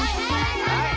はい！